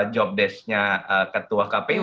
jobdesknya ketua kpu